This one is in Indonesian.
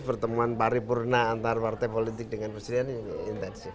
pertemuan paripurna antar partai politik dengan presiden intensif